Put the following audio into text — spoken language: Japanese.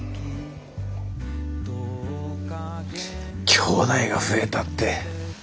きょうだいが増えたって。